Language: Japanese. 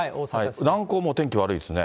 南港もお天気悪いですね。